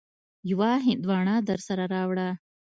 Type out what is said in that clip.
يوه هندواڼه درسره راوړه.